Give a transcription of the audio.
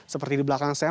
seperti di belakang saya